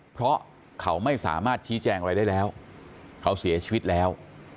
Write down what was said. เพราะเขาไม่สามารถชี้แจงอะไรได้แล้วเขาเสียชีวิตแล้ว